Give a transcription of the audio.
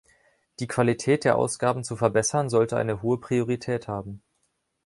Die Qualität der Ausgaben zu verbessern, sollte eine hohe Priorität haben.